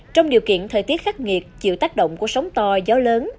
trong điều kiện thời tiết khắc nghiệt chịu tác động của sóng to gió lớn